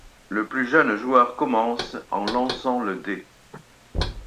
Le plus jeune joueur commence en lançant le dé.